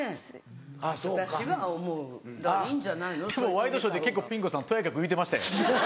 ワイドショーで結構ピン子さんとやかく言うてましたよ。